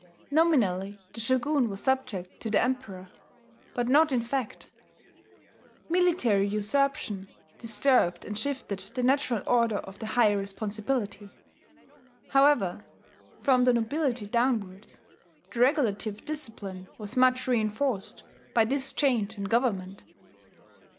Nominally the Shogun was subject to the Emperor, but not in fact: military usurpation disturbed and shifted the natural order of the higher responsibility. However, from the nobility downwards, the regulative discipline was much reinforced by this change in government.